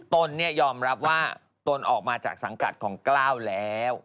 ตนยอมรับว่าตนออกมาจากสังกัดของกล้าวแล้ว